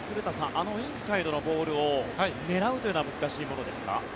あのインサイドのボールを狙うというのは難しいものですか？